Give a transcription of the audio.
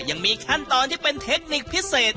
ยังมีขั้นตอนที่เป็นเทคนิคพิเศษ